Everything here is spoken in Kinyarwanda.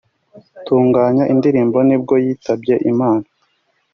utunganya indirimbo ni bwo yitabye Imana